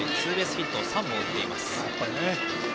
ヒットを３本打っています。